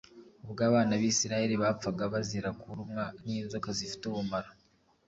Ubwo abana b’Isiraheli bapfaga bazira kurumwa n’inzoka zifite ubumara